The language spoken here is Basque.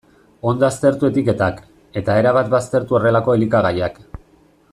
Ondo aztertu etiketak, eta erabat baztertu horrelako elikagaiak.